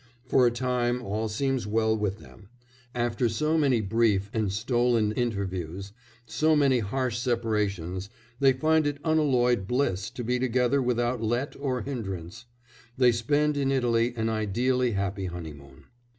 For a time all seems well with them; after so many brief and stolen interviews, so many harsh separations, they find it unalloyed bliss to be together without let or hindrance; they spend in Italy an ideally happy honeymoon.